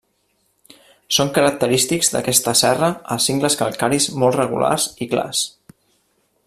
Són característics d'aquesta serra els cingles calcaris molt regulars i clars.